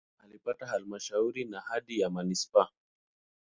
Musoma imepata halmashauri na hadhi ya manisipaa.